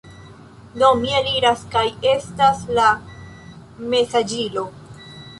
Do, mi eliras kaj estas la mesaĝilo